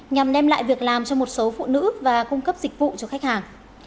nhằm đem lại việc làm cho một số phụ nữ và cung cấp dịch vụ cho khách hàng